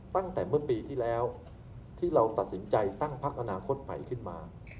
ตั้งแต่เมื่อปีที่แล้วที่เราตัดสินใจตั้งพักอนาคตใหม่ขึ้นมา